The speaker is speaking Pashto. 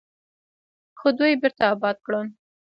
خو دوی بیرته اباد کړل.